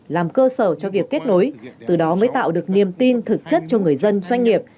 làm cơ sở cho việc kết nối từ đó mới tạo được niềm tin thực chất cho người dân doanh nghiệp